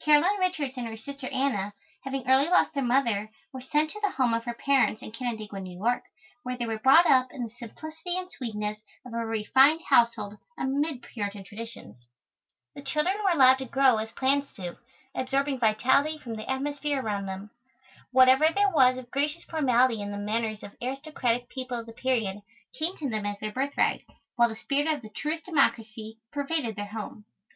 Caroline Richards and her sister Anna, having early lost their mother, were sent to the home of her parents in Canandaigua, New York, where they were brought up in the simplicity and sweetness of a refined household, amid Puritan traditions. The children were allowed to grow as plants do, absorbing vitality from the atmosphere around them. Whatever there was of gracious formality in the manners of aristocratic people of the period, came to them as their birthright, while the spirit of the truest democracy pervaded their home.